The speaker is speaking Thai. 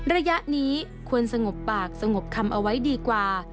ระยะนี้ควรสงบปากสงบคำเอาไว้ดีกว่า